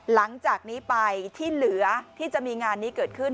หลังจากนี้ไปที่เหลือที่จะมีงานนี้เกิดขึ้น